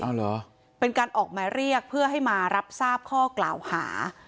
เอาเหรอเป็นการออกมาเรียกเพื่อให้มารับทราบข้อกล่าวหา